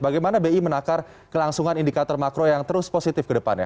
bagaimana bi menakar kelangsungan indikator makro yang terus positif ke depannya